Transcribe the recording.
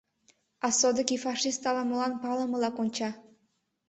А содыки фашист ала-молан палымыла конча.